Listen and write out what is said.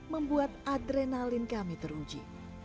membuat adrenalin kami teruji